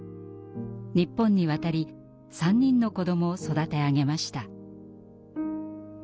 日本に渡り３人の子どもを育て上げました。